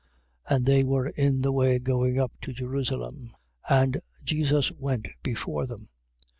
10:32. And they were in the way going up to Jerusalem: and Jesus went before them.